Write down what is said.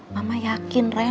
mama yakin ren